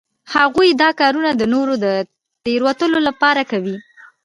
هغوی دا کارونه د نورو د تیروتلو لپاره کوي